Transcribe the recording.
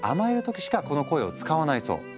時しかこの声を使わないそう。